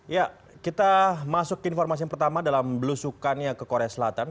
ya kita masuk ke informasi yang pertama dalam belusukannya ke korea selatan